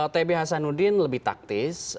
tb hasan udin lebih taktis